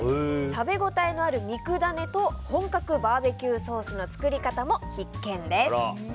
食べ応えのある肉ダネと本格バーベキューソースの作り方も必見です。